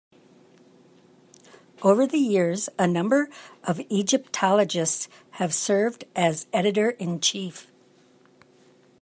Over the years a number of Egyptologists have served as editor-in-chief.